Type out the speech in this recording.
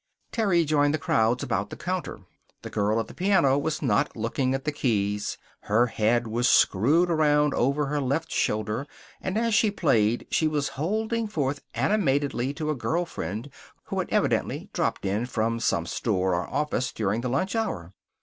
Terry joined the crowds about the counter. The girl at the piano was not looking at the keys. Her head was screwed around over her left shoulder and as she played she was holding forth animatedly to a girl friend who had evidently dropped in from some store or office during the lunch hour.